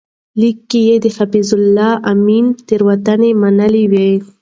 لیک کې یې د حفیظالله امین تېروتنې منلې وې.